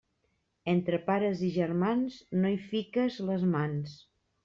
Entre pares i germans no hi fiques les mans.